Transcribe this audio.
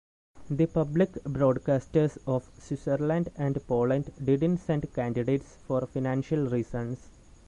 The public broadcasters of Switzerland and Poland didn't send candidates for financial reasons.